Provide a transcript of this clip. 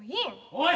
・おい！